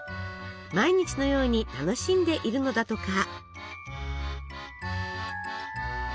毎日のように楽しんでいるのだとか。